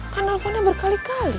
kan alponnya berkali kali